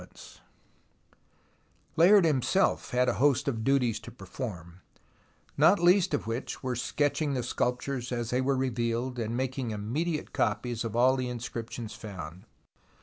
140 THE ROMANCE OF EXCAVATION Layard himself had a host of duties to perform, not least of which were sketching the sculptures as they were revealed and making immediate copies of all inscriptions found.